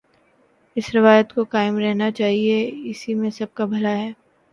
اس روایت کو قائم رہنا چاہیے کہ اسی میں سب کابھلا ہے۔